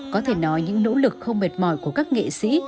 có thể nói những nỗ lực không mệt mỏi của các nghệ sĩ